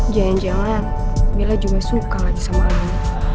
jangan jangan bila juga suka lagi sama kamu